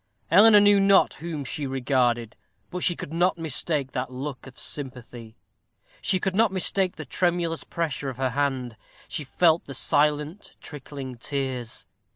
Eleanor knew not whom she regarded, but she could not mistake that look of sympathy; she could not mistake the tremulous pressure of her hand; she felt the silent trickling tears.